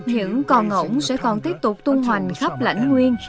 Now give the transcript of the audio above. những con ngỗng sẽ còn tiếp tục tung hoành khắp lãnh nguyên